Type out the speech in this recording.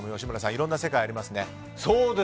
いろんな世界がありますね。